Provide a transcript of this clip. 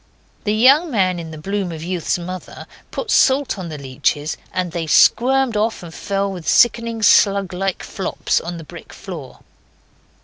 The young man in the bloom of youth's mother put salt on the leeches, and they squirmed off, and fell with sickening, slug like flops on the brick floor.